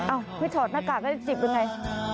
เอ้าไม่ถอดหน้ากากก็จะจิบหรือไง